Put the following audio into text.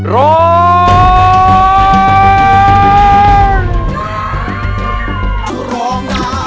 ร้อน